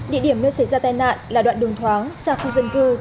địa điểm nơi xảy ra tai nạn là đoạn đường thoáng xa khu dân cư